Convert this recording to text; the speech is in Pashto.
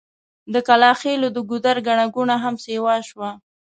د کلاخېلو د ګودر ګڼه ګوڼه هم سيوا شوه.